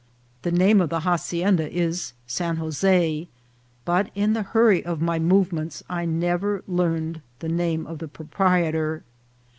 The name of the hacienda is San Jose, but in the hurry of my movements I never learned the name of the proprietor.